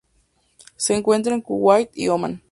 Se encuentra en Kuwait y Omán.